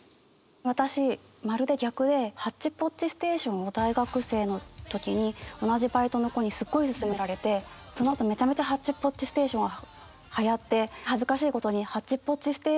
私まるで逆で「ハッチポッチステーション」を大学生の時に同じバイトの子にすごいすすめられてそのあとめちゃめちゃ「ハッチポッチステーション」はやって恥ずかしいことに「ハッチポッチステーション」って知ってる？